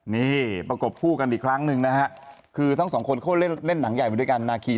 นี่ประกบคู่กันอีกครั้งหนึ่งนะฮะคือทั้งสองคนเขาเล่นเล่นหนังใหญ่มาด้วยกันนาคี